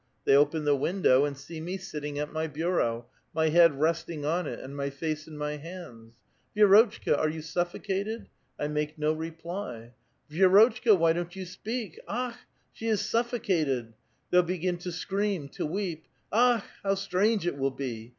They open the window, and see me sitting at my bureau, my head resting on it, and my face in my hands. * Vi^rotchka, are you suffocated ?' I make no replj'. ' Vi^rotchka, why don't you speak? Akhl she is suffo cated !' They'll begin to scream, to weep. Akh I how strange it will be